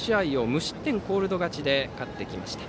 無失点コールド勝ちで勝ってきました。